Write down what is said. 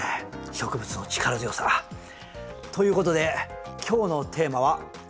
植物の力強さ。ということで今日のテーマは「ランの着生」。